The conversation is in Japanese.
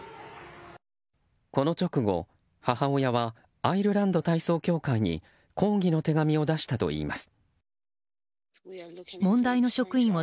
この直後、母親はアイルランド体操協会に抗議の手紙を出したといいます。